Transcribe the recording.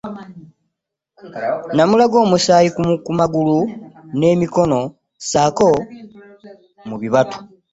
Namulaga omusaayi ku magulu n'emikono ssaako mu bibatu.